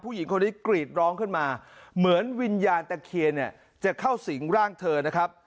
ผู้หญิงคนนี้กรีดร้องขึ้นมาเหมือนวิญญาณตะเคียนเนี่ยจะเข้าสิงร่างเธอนะครับ